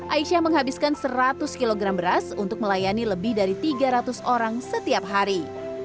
aisyah menghabiskan seratus kg beras untuk melayani lebih dari tiga ratus orang setiap hari